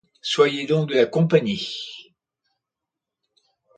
Soyez donc de la compagnie.